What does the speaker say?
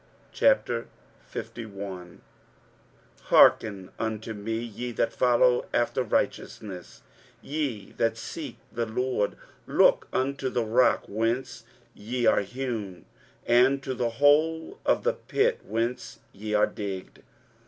23:051:001 Hearken to me, ye that follow after righteousness, ye that seek the LORD: look unto the rock whence ye are hewn, and to the hole of the pit whence ye are digged.